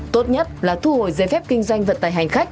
tốt nhất là thu hồi giấy phép kinh doanh vận tài hành khách